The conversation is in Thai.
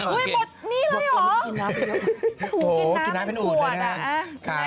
อุ๊ยหมดนี่เลยหรออู๋อุ๋กินน้ำเป็นอู๋ดเลยนะฮะ